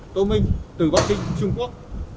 tô minh từ bắc kinh trung quốc